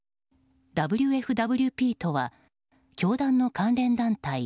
ＷＦＷＰとは教団の関連団体